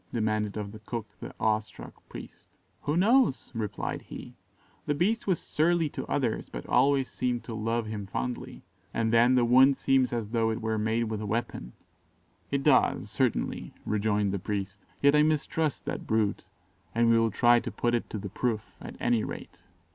demanded of the cook the awe struck priest. "Who knows?" replied he; "the beast was surly to others, but always seemed to love him fondly; and then the wound seems as though it were made with a weapon." [Illustration: A TALE OF TERROR. Page 29.] "It does, certainly," rejoined the priest; "yet I mistrust that brute, and we will try to put it to the proof, at any rate."